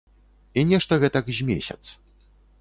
І нешта гэтак з месяц.